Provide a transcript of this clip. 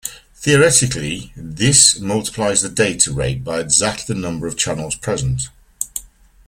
Theoretically this multiplies the data rate by exactly the number of channels present.